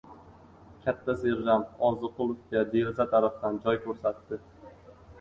Katta serjant Orziqulovga deraza tarafdan joy ko‘rsatdi.